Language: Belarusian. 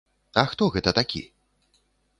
А хто гэта такі?